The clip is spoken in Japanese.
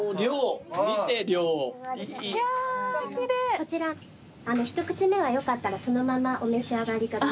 こちら一口目はよかったらそのままお召し上がりください。